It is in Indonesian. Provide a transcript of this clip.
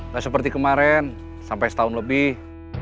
nggak seperti kemaren sampai setahun lebih